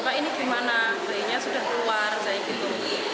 pak ini gimana bayinya sudah keluar kayak gitu